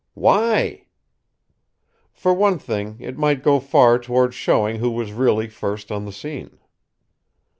"Why?" "For one thing, it might go far toward showing who was really first on the scene."